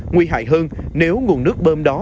nguy hại hơn nếu nguồn nước bơm đó